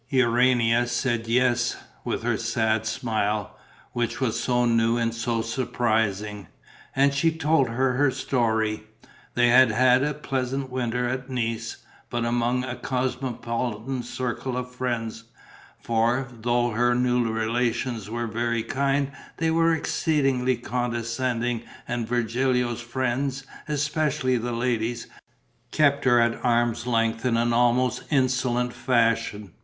Urania said yes, with her sad smile, which was so new and so surprising. And she told her story. They had had a pleasant winter at Nice, but among a cosmopolitan circle of friends, for, though her new relations were very kind, they were exceedingly condescending and Virgilio's friends, especially the ladies, kept her at arm's length in an almost insolent fashion.